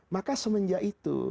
maka semenjak itu